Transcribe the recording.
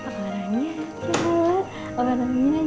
orangnya jangan orangnya jangan